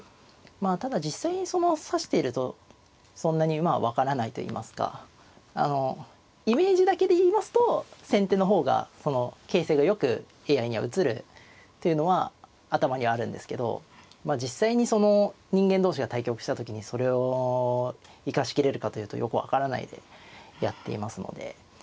まあただ実際にその指しているとそんなに分からないといいますかイメージだけで言いますと先手の方がその形勢がよくＡＩには映るっていうのは頭にはあるんですけど実際にその人間同士が対局した時にそれを生かしきれるかというとよく分からないでやっていますので。